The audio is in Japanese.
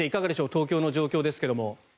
東京の状況ですけれど。